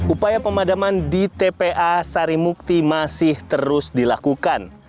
upaya pemadaman di tpa sarimukti masih terus dilakukan